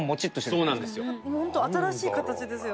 そうなんですよ